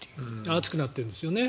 暑くなってるんですよね